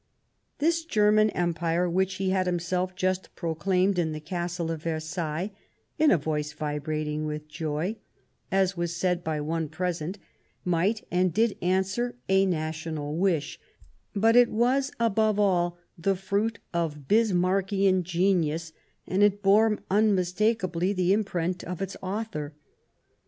This German Empire which he had himself just proclaimed in the Castle of Versailles, " in a voice vibrating with joy," as was said by one present, might and did answer a national wish ; but it was above all the fruit of Bismarckian genius, and it bore unmistakably the imprint of its author.